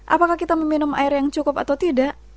apakah kita meminum air yang cukup atau tidak